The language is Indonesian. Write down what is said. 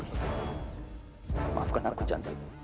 maafkan aku cantik